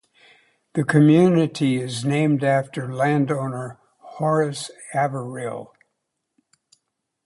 The community is named after landowner Horace Averill.